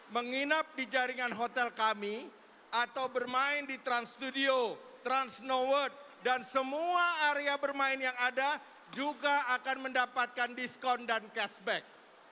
menginap di jaringan hotel kami atau bermain di trans studio trans snow world dan semua area bermain yang ada juga akan mendapatkan diskon dan cashback